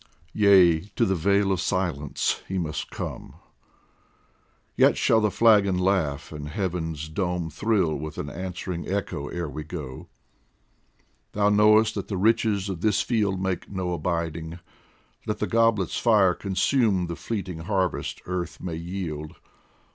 Yea, to the Vale of Silence we must come ; Yet shall the flagon laugh and Heaven's dome Thrill with an answering echo ere we go ! Thou knowest that the riches of this field Make no abiding, let the goblet's fire Consume the fleeting harvest Earth may yield